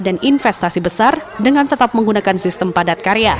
dan investasi besar dengan tetap menggunakan sistem padat karya